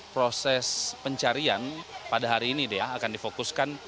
proses pencarian pada hari ini akan difokuskan